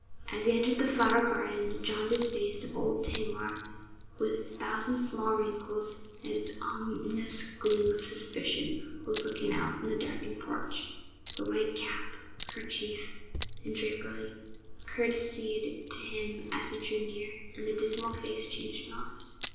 As he entered the flower garden, the jaundiced face of old Tamar, with its thousand small wrinkles and its ominous gleam of suspicion, was looking out from the darkened porch. The white cap, kerchief, and drapery, courtesied to him as he drew near, and the dismal face changed not.